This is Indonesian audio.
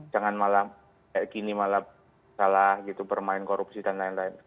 jangan malah kayak gini malah salah gitu bermain korupsi dan lain lain